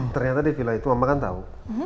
ternyata di vila itu mama kan tau